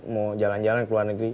mau jalan jalan ke luar negeri